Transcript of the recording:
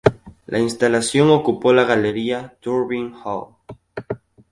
La instalación ocupó la galería "Turbine Hall".